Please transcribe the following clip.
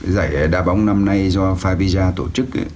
giải đá bóng năm nay do favisa tổ chức